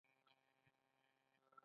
آزاد تجارت مهم دی ځکه چې نوې انرژي خپروي.